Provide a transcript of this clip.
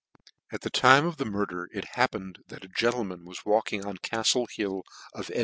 At the time of the murder, it happened that a gentleman was walking on the Caftle hill of h din burgh, REV.